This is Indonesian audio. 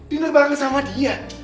diner bareng sama dia